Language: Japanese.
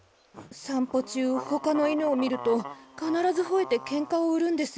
散歩中他の犬を見ると必ず吠えてケンカを売るんです。